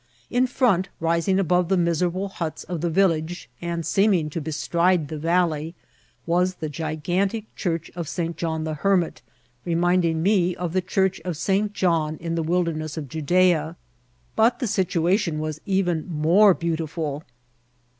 In front, rising above the miserable huts <^ the village, and seeming to bestride the valley, was the gigantic church of St. John the Hermit, reminding me of tba W IirCIDBIfTt OP TRATXIm Church of St. John in the wilderness of Judea, but the situation was even more beautiful.